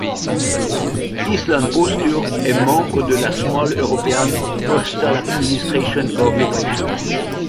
Íslandspóstur est membre de la Small European Postal Administration Cooperation.